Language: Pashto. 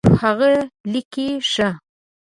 هغه لیکي ښه